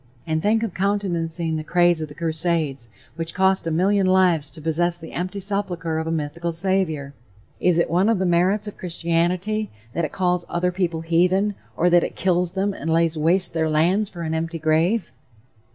And think of countenancing the craze of the crusades, which cost a million lives to possess the empty sepulchre of a mythical Savior! Is it one of the merits of Christianity that it calls other people "heathen," or that it kills them and lays waste their lands for an empty grave?